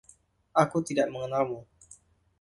Aku tidak mengenalmu!